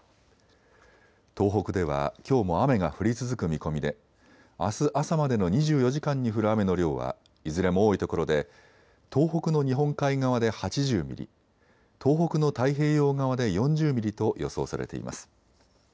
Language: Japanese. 東北ではきょうも雨が降り続く見込みであす朝までの２４時間に降る雨の量はいずれも多いところで東北の日本海側で８０ミリ、東北の太平洋側で４０ミリと予想されています。